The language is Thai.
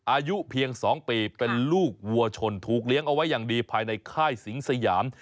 อายุเพียง๒ปีเป็นลูกวัวชนถูกเลี้ยงเอาไว้อย่างดีภายในค่ายสิงสยาม